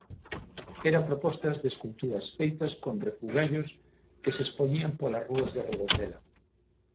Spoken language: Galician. Eran propostas de esculturas feitas con refugallos que se expoñían polas rúas de Redondela.